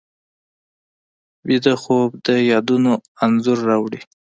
ویده خوب د یادونو انځورونه راوړي